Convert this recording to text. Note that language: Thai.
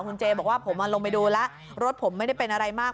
คุณเจบอกว่าผมลงไปดูแล้วรถผมไม่ได้เป็นอะไรมาก